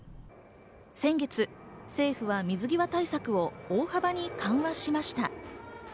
先月、政府は水際対策を大幅に緩和しました。